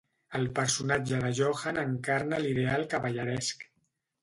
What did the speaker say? El personatge de Johan encarna l'ideal cavalleresc.